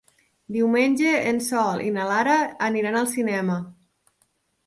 Diumenge en Sol i na Lara aniran al cinema.